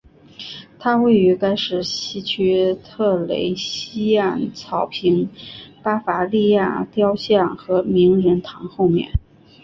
它位于该市西区特蕾西娅草坪巴伐利亚雕像和名人堂后面。